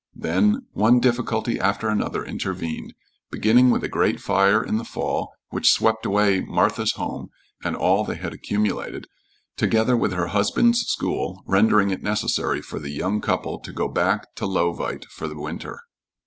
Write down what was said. Then one difficulty after another intervened, beginning with a great fire in the fall which swept away Martha's home and all they had accumulated, together with her husband's school, rendering it necessary for the young couple to go back to Leauvite for the winter.